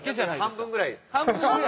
半分ぐらい。